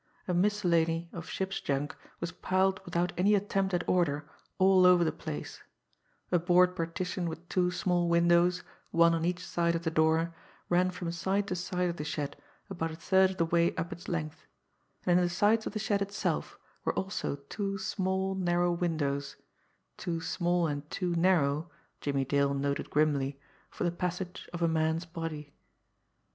A miscellany of ship's junk was piled without any attempt at order all over the place; a board partition with two small windows, one on each side of the door, ran from side to side of the shed about a third of the way up its length; and in the sides of the shed itself were also two small, narrow windows too small and too narrow, Jimmie Dale noted grimly, for the passage of a man's body.